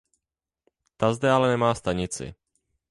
Ta zde ale nemá stanici.